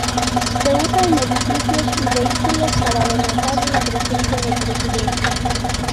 Se usa en edificios y vehículos para denotar la presencia del presidente.